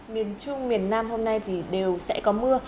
miền trung miền nam hôm nay thì đều sẽ có mưa